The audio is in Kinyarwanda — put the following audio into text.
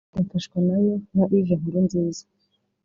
Jean Claude Mfashwanayo na Yves Nkurunziza